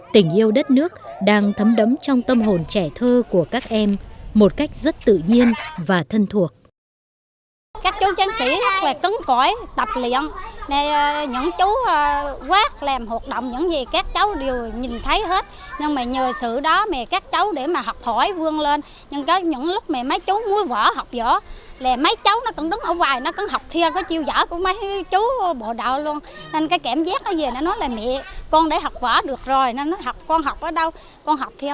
tình yêu đất nước đang thấm đấm trong tâm hồn trẻ thơ của các em một cách rất tự nhiên và thân thuộc